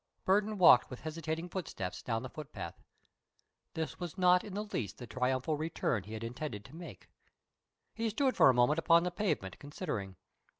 Burton walked with hesitating footsteps down the footpath. This was not in the least the triumphal return he had intended to make! He stood for a moment upon the pavement, considering.